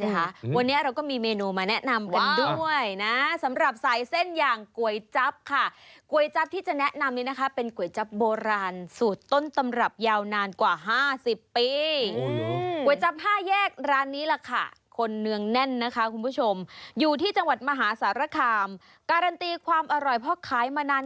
จากวันนี้แล้วคัอควันนืองนั่นนะคะครับเป็นชมอยู่ที่จังหวัดมหาสารคามการันตีความอร่อยเพราะคล้ายมานาน